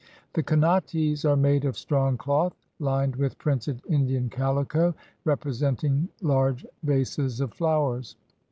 The kanates are made of strong cloth, lined with printed Indian calico, representing large vases of flowers.